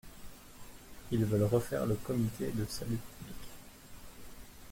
Ils veulent refaire le comité de salut public.